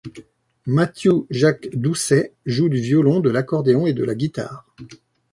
Matthew Jacques Doucet joue du violon, de l'accordéon et de la guitare.